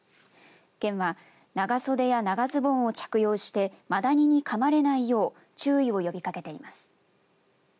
県は長袖や長ズボンを着用してマダニにかまれないよう注意を呼びかけています。